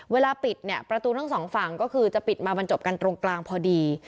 เวลาปิดเนี่ยประตูทั้งสองฝั่งก็คือจะปิดมาบรรจบกันตรงกลางพอดี